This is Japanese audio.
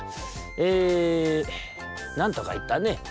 えなんとかいったね」。